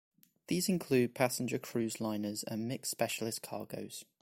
These include passenger cruise liners and mixed specialist cargoes.